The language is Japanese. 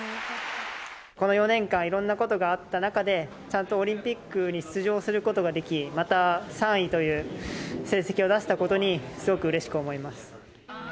この４年間、いろんなことがあった中で、ちゃんとオリンピックに出場することができ、また３位という成績を出せたことに、すごくうれしく思います。